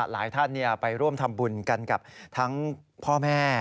หลายท่านไปร่วมทำบุญกันกับทั้งพ่อแม่